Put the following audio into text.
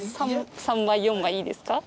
３枚４枚いいですか？